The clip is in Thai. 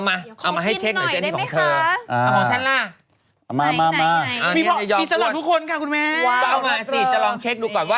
เอามาสิจะลองเช็คดูก่อน